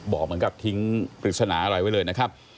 บอกเหมือนกับทิ้งปริศนาอะไรไว้เลยนะครับ